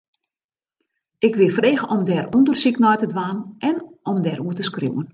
Ik wie frege om dêr ûndersyk nei te dwaan en om dêroer te skriuwen.